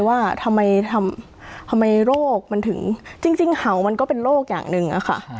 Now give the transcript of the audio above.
ว่าทำไมทำไมโรคมันถึงจริงเห่ามันก็เป็นโรคอย่างหนึ่งอะค่ะ